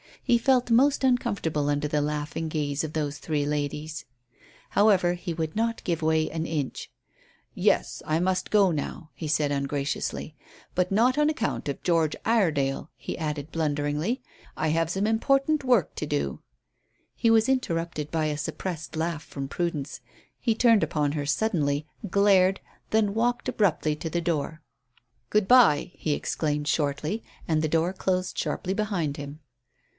He felt most uncomfortable under the laughing gaze of those three ladies. However, he would not give way an inch. "Yes, I must go now," he said ungraciously. "But not on account of George Iredale," he added blunderingly. "I have some important work to do " He was interrupted by a suppressed laugh from Prudence. He turned upon her suddenly, glared, then walked abruptly to the door. "Good bye," he exclaimed shortly, and the door closed sharply behind him.